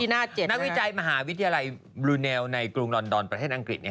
นักวิจัยมหาวิทยาลัยบลูเนลในกรุงลอนดอนประเทศอังกฤษ